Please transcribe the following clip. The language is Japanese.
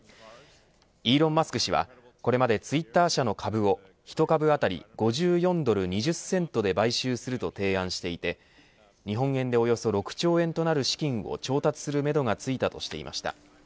イーロン・マスク氏はこれまでツイッター社の株を１株当たり５４ドル２０セントで買収すると提案していて日本円でおよそ６兆円となる資金を調達するめどがついたとしていました。